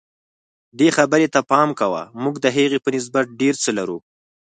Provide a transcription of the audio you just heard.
دې خبرې ته پام کوه موږ د هغې په نسبت ډېر څه لرو.